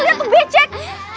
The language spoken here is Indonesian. lihat tuh becek